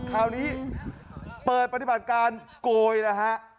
คราวนี้เปิดปฏิบัติการโกยนะฮะ